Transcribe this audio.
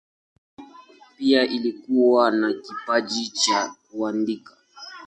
Pia alikuwa na kipaji cha kuandika.